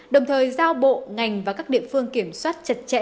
đồng thời giao bộ ngành và các địa phương kiểm soát chặt chẽ